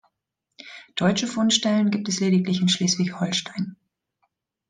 Deutsche Fundstellen gibt es lediglich in Schleswig-Holstein.